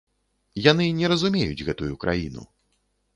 Яны не разумеюць гэтую краіну.